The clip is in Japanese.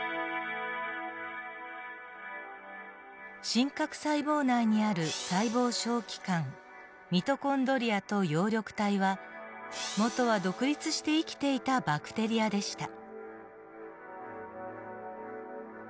真核細胞内にある細胞小器官ミトコンドリアと葉緑体はもとは独立して生きていたバクテリアでした。